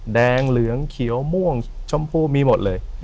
แดงเหลืองเขียวม่วงชมพูมีหมดเลย